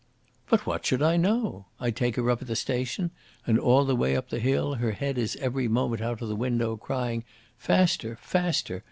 "But what should I know? I take her up at the station, and all the way up the hill her head is every moment out of the window, crying, 'Faster, faster!'